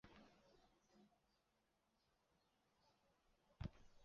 乐团演奏柴可夫斯基及肖斯塔科维奇的作品最为著名。